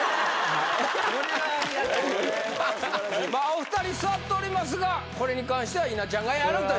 お二人座っておりますがこれに関しては稲ちゃんがやると。